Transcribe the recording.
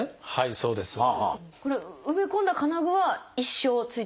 そうですね。